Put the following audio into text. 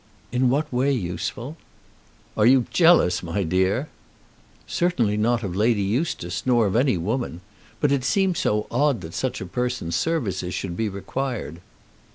"In what way useful?" "Are you jealous, my dear?" "Certainly not of Lady Eustace, nor of any woman. But it seems so odd that such a person's services should be required."